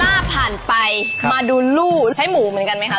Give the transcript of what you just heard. ถ้าผ่านไปมาดูลู่ใช้หมูเหมือนกันไหมคะ